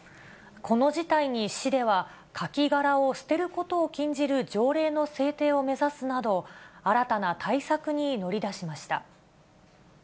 この事態に市では、カキ殻を捨てることを禁じる条例の制定を目指すなど、新たな対策に乗り出しました。